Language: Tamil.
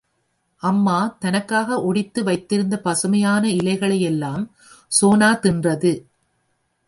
அம்மா தனக்காக ஒடித்து வைத்திருந்த பசுமையான இலைகளேயெல்லாம் சோனா தின்றது.